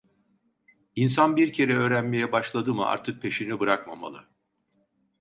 İnsan bir kere öğrenmeye başladı mı, artık peşini bırakmamalı.